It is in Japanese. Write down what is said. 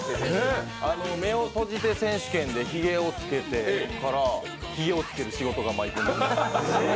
目を閉じて選手権でひげをつけてから、ひげをつける仕事が舞い込みました。